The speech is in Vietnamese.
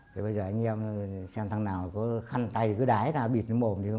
thì bây giờ anh em xem thằng nào có khăn tay cứ đái ra bịt mồm